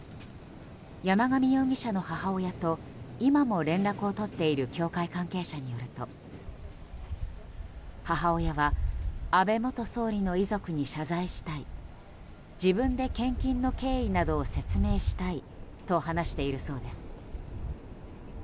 山上容疑者の母親と今も連絡を取っている教会関係者によると、母親は安倍元総理の遺族に謝罪したい自分で献金の経緯などを説明したいと話しているそうです。